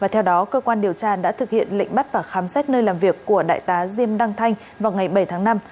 theo đó cơ quan điều tra đã thực hiện lệnh bắt và khám xét nơi làm việc của đại tá diêm đăng thanh vào ngày bảy tháng năm